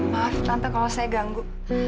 maaf tante kalau saya ganggu